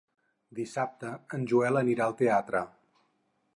Dissabte en Joel anirà al teatre.